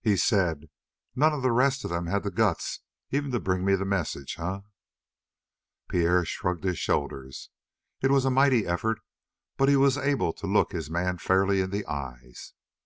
He said: "None of the rest of them had the guts even to bring me the message, eh?" Pierre shrugged his shoulders. It was a mighty effort, but he was able to look his man fairly in the eyes.